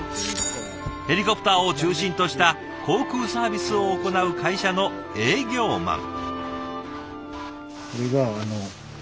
ヘリコプターを中心とした航空サービスを行う会社の営業マン。